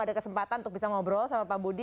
ada kesempatan untuk bisa ngobrol sama pak budi